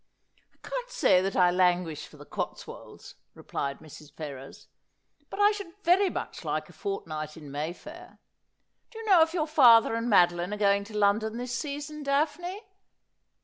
' I can't say that I languish for the Cotswolds,' replied Mrs. Ferrers, ' but I should very much like a fortnight in Mayfair. Do you know if your father and Madeline are going to London this season. Daphne